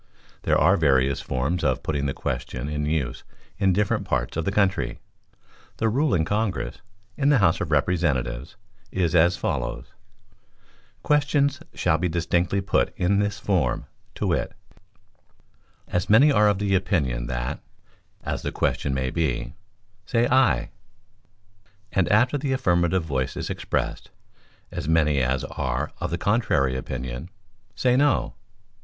There are various forms for putting the question, in use in different parts of the country. The rule in Congress, in the House of Representatives, is as follows: "Questions shall be distinctly put in this form, to wit: 'As many as are of the opinion that (as the question may be) say Aye;' and after the affirmative voice is expressed, 'As many as are of the contrary opinion, say No.